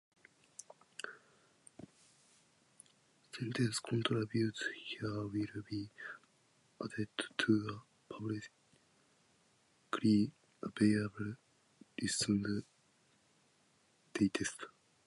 Sentences contributed here will be added to a publicly available licensed dataset.